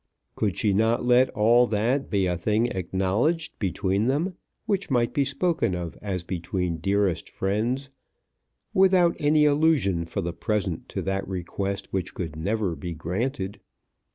Could she not let all that be a thing acknowledged between them, which might be spoken of as between dearest friends, without any allusion for the present to that request which could never be granted?